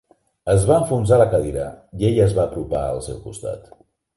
Es va enfonsar a la cadira i ell es va apropar al seu costat.